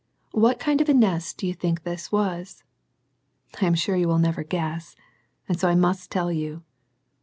what kind of a nest do you think this was? am sure you will never guess, and so I must U you.